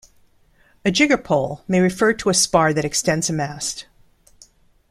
A jiggerpole may refer to a spar that extends a mast.